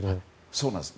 そうなんです。